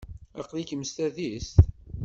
Aql-ikem s tadist?